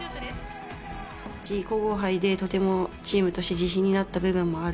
皇后杯でとてもチームとして自信になった部分もある。